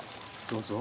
どうぞ。